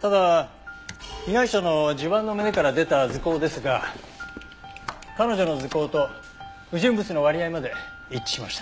ただ被害者の襦袢の胸から出た塗香ですが彼女の塗香と不純物の割合まで一致しました。